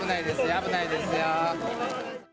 危ないですよ。